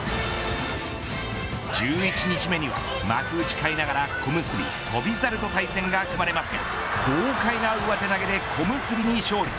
１１日目には幕内下位ながら小結、翔猿との対戦が決まりますが豪快な上手投げで、小結に勝利。